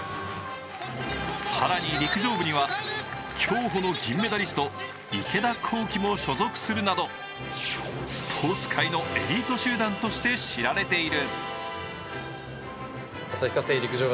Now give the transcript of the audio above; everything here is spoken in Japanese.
更に陸上部には競歩の金メダリスト、池田向希も所属するなどスポーツ界のエリート集団として知られている。